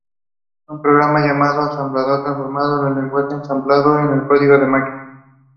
It consisted of the following major subsystems.